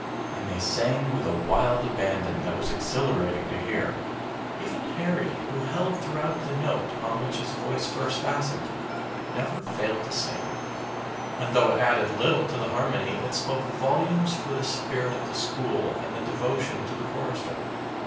And they sang with a wild abandon that was exhilarating to hear. Even Harry, who held throughout the note on which his voice first fastened, never failed to sing; and, though it added little to the harmony, it spoke volumes for the spirit of the school and the devotion to the chorister.